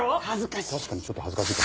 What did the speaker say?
確かにちょっと恥ずかしいかも。